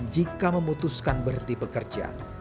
jika memutuskan berti pekerjaan